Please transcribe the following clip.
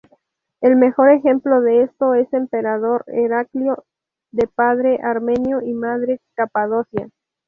El mejor ejemplo de esto es emperador Heraclio, de padre armenio y madre capadocia.